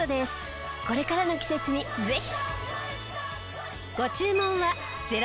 これからの季節にぜひ。